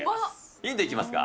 ヒントいきますか。